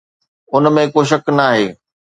ان ۾ ڪو شڪ ناهي